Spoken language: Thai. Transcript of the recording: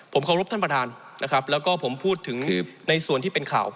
ผมเคารพท่านประธานนะครับแล้วก็ผมพูดถึงในส่วนที่เป็นข่าว